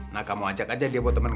nah kamu ajak aja dia buat teman